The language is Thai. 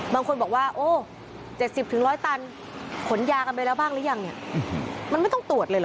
บางคนบอกว่าโอ้๗๐๑๐๐ตันขนยากันไปแล้วบ้างหรือยังเนี่ยมันไม่ต้องตรวจเลยเหรอ